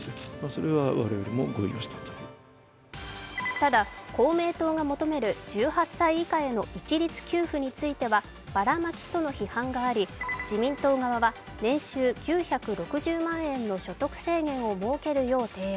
ただ公明党が求める１８歳以下への一律給付についてはばらまきとの批判があり自民党側は年収９６０万円の所得制限を設けるよう提案。